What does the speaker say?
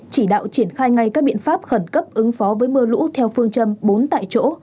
chỉ đạo triển khai ngay các biện pháp khẩn cấp ứng phó với mưa lũ theo phương châm bốn tại chỗ